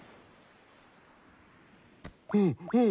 うんうん。